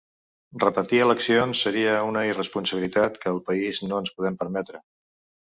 Repetir eleccions seria una irresponsabilitat que el país no ens podem permetre.